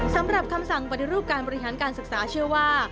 สำหรับคำสั่งปฏิรูปการบริหารการศึกษาเชื่อว่า